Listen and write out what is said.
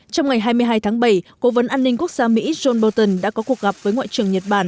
trong ngày hai mươi hai tháng bảy cố vấn an ninh quốc gia mỹ john bolton đã có cuộc gặp với ngoại trưởng nhật bản